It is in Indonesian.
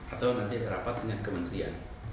atau nanti ada rapat dengan kementerian